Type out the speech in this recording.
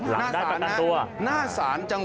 ก็ตอบได้คำเดียวนะครับ